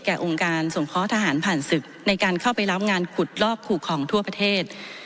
องค์การสงเคราะห์ทหารผ่านศึกในการเข้าไปรับงานขุดลอกขู่ของทั่วประเทศ